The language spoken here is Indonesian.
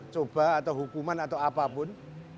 coba atau hukuman atau apapun